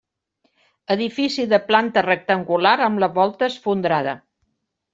Edifici de planta rectangular amb la volta esfondrada.